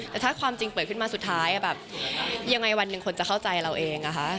แต่ถ้าความจริงเปิดขึ้นมาสุดท้ายแบบยังไงวันหนึ่งคนจะเข้าใจเราเอง